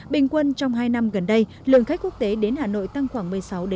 bình quân trong hai năm gần đây lượng khách quốc tế đến hà nội tăng khoảng một mươi sáu năm mươi